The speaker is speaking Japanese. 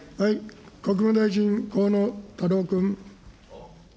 国務大臣、河野太郎君。